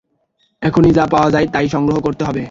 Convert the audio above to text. এখনই যা পাওয়া যায় তাই সংগ্রহ করতে হবে।